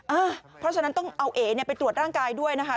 เพราะฉะนั้นต้องเอาเอ๋ไปตรวจร่างกายด้วยนะคะ